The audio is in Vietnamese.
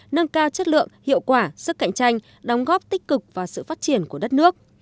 nâng cao chất lượng hiệu quả sức cạnh tranh đóng góp tích cực và sự phát triển của đất nước